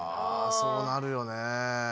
そうなるよねぇ。